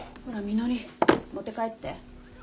ほらみのり持って帰って。